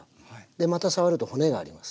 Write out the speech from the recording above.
また触ると骨があります。